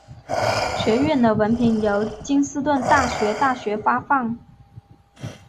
学院的文凭由金斯顿大学大学发放。